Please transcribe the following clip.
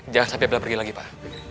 jangan sampai bela pergi lagi pak